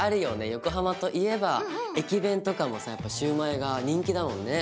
横浜といえば駅弁とかもさやっぱシュウマイが人気だもんね。